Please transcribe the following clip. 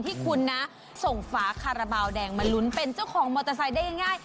ที่คุณนะส่งฝาคาราบาลแดงมาลุ้นเป็นเจ้าของมอเตอร์ไซค์ได้ง่าย